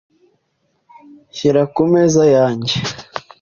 Shyira ku meza yanjye .